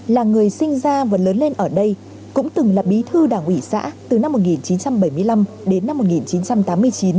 là người sinh ra và lớn lên ở đây cũng từng là bí thư đảng ủy xã từ năm một nghìn chín trăm bảy mươi năm đến năm một nghìn chín trăm tám mươi chín